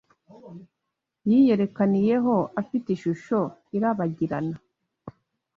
yiyerekaniyeho afite ishusho irabagirana